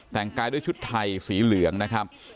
แต่งกายด้วยชุดไทยสีเหลืองนะครับ